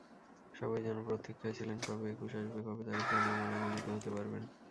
সবাই যেন প্রতীক্ষায় ছিলেন—কবে একুশ আসবে, কবে তাঁরা প্রাণের মেলায় মিলিত হতে পারবেন।